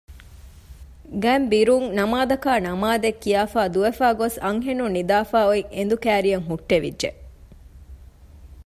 ގަތްބިރުން ނަމާދަކާ ނަމާދެއް ކިޔާފައި ދުވެފައި ގޮސް އަންހެނުން ނިދާފައި އޮތް އެނދު ކައިރިއަށް ހުއްޓެވިއްޖެ